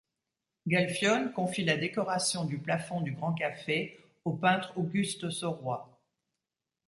Galfione confie la décoration du plafond du Grand café au peintre Auguste Sauroy.